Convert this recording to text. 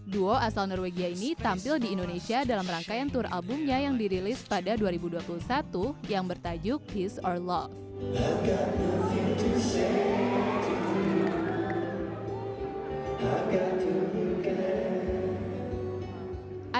duo asal norwegia ini tampil di indonesia dalam rangkaian tour albumnya yang dirilis pada dua ribu dua puluh satu yang bertajuk peace or love